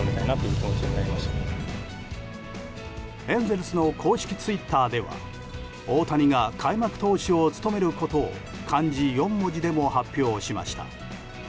エンゼルスの公式ツイッターでは大谷が開幕投手を務めることを漢字４文字でも発表しました。